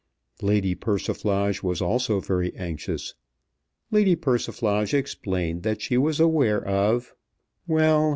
Lady Persiflage was also very anxious. Lady Persiflage explained that she was aware of, Well!